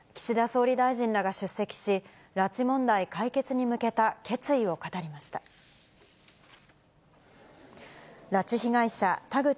岸田総理大臣らが出席し、拉致問題解決に向けた決意を語りました。